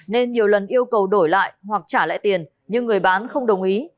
nên nhiều lần yêu cầu đổi lại hoặc trả lại tiền nhưng người bán không đồng ý